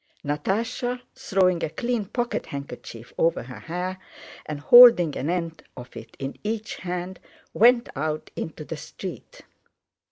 Natásha, throwing a clean pocket handkerchief over her hair and holding an end of it in each hand, went out into the street.